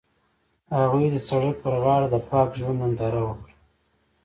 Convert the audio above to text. هغوی د سړک پر غاړه د پاک ژوند ننداره وکړه.